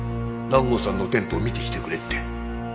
南郷さんのテントを見てきてくれって。